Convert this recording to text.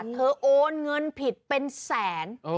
โอนเงินผิดเป็นแสน